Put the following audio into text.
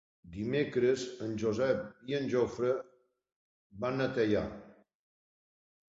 Dimecres en Josep i en Jofre van a Teià.